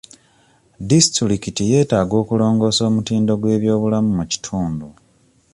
Disitulikiti yeetaaga okulongoosa omutindo gw'ebyobulamu mu kitundu.